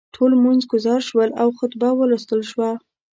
ټول لمونځ ګزار شول او خطبه ولوستل شوه.